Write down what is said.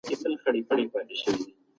دلایل باید دومره قوي وي چي هر څوک یې ومني.